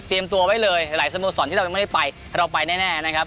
ตัวไว้เลยหลายสโมสรที่เรายังไม่ได้ไปเราไปแน่นะครับ